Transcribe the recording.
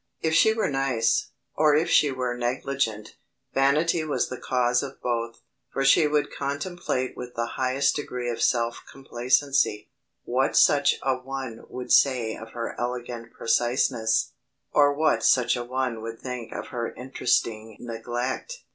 If she were nice, or if she were negligent, vanity was the cause of both; for she would contemplate with the highest degree of self complacency, "What such a one would say of her elegant preciseness, or what such a one would think of her interesting neglect."